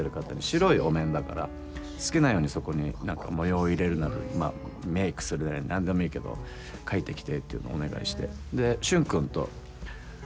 白いお面だから好きなようにそこに何か模様を入れるなりメークするなり何でもいいけど描いてきてっていうのをお願いして。